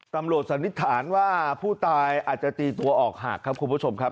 สันนิษฐานว่าผู้ตายอาจจะตีตัวออกหากครับคุณผู้ชมครับ